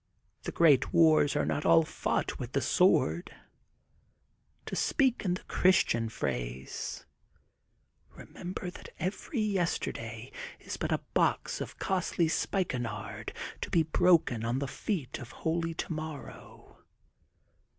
The great wars are not all fought with the swoi*d. To speak in the Christian phrase, remember that every yesterday is but a box of costly spikenard to be broken on the feet of Holy Tomorrow.